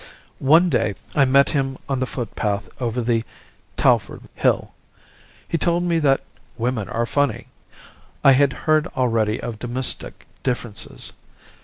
"One day I met him on the footpath over the Talfourd Hill. He told me that 'women were funny.' I had heard already of domestic differences.